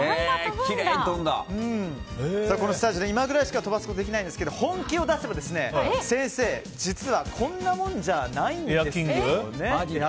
このスタジオでは今ぐらいしか飛ばすことができないんですが本気を出せば先生、実はこんなもんじゃないんですよね。